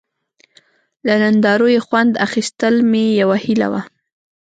له نندارو یې خوند اخیستل مې یوه هیله وه.